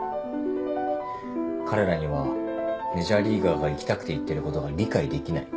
彼らにはメジャーリーガーが行きたくて行ってることが理解できない。